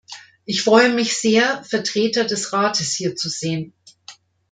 Ich freue mich sehr, Vertreter des Rates hier zu sehen.